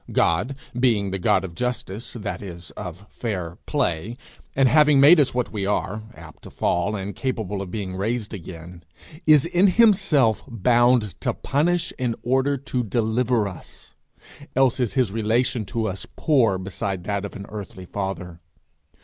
God, being the God of justice, that is of fair play, and having made us what we are, apt to fall and capable of being raised again, is in himself bound to punish in order to deliver us else is his relation to us poor beside that of an earthly father.